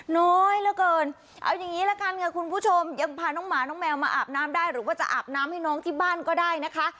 น้อยเหลือเกินเอาอย่างนี้ละกันค่ะคุณผู้ชมยังพาน้องหมาน้องแมวมาอาบน้ำได้หรือว่าจะอาบน้ำให้น้องที่บ้านก็ได้นะคะ